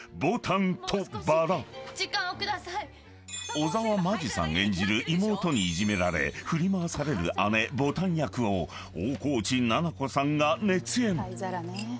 ［小沢真珠さん演じる妹にいじめられ振り回される姉ぼたん役を大河内奈々子さんが熱演］